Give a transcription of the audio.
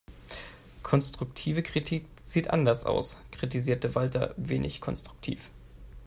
Konstruktive Kritik sieht anders aus, kritisierte Walter wenig konstruktiv.